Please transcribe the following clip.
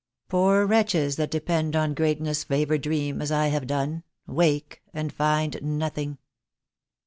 "Poor wretches that depend On greatness' favour dream as I have done, Wake and find nothing."